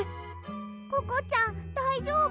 ココちゃんだいじょうぶ？